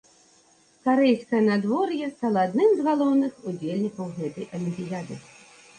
Карэйскае надвор'е стала адным з галоўных удзельнікаў гэтай алімпіяды.